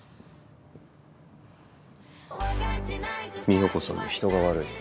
美保子さんも人が悪い。